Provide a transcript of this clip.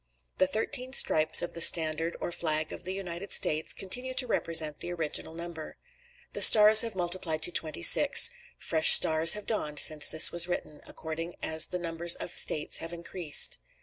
The thirteen stripes of the standard or flag of the United States, continue to represent the original number, The stars have multiplied to twenty six, [Fresh stars have dawned since this was written.] according as the number of States have increased.